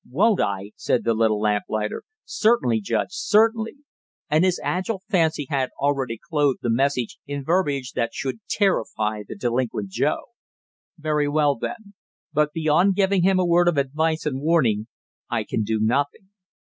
"Won't I!" said the little lamplighter. "Certainly, Judge certainly!" and his agile fancy had already clothed the message in verbiage that should terrify the delinquent Joe. "Very well, then; but beyond giving him a word of advice and warning; I can do nothing."